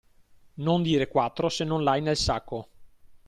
Non dire quattro se non l'hai nel sacco.